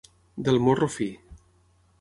Del morro fi.